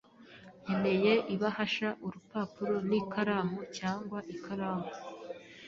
Nkeneye ibahasha, urupapuro, n'ikaramu cyangwa ikaramu.